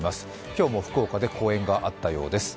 今日も福岡で公演があったようです。